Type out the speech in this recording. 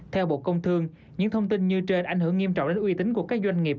theo bộ công thương những thông tin như trên ảnh hưởng nghiêm trọng đến uy tín của các doanh nghiệp